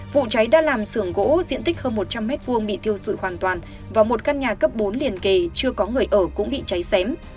vụ cháy đã làm sưởng gỗ diện tích hơn một trăm linh m hai bị thiêu dụi hoàn toàn và một căn nhà cấp bốn liền kề chưa có người ở cũng bị cháy xém